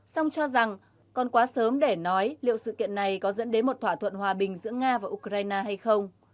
song cho rằng còn quá sớm để nói liệu sự kiện này có dẫn đến một thỏa thuận hòa bình giữa nga và ukraine hay không